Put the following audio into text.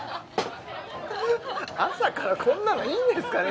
朝からこんなのいいんですかね？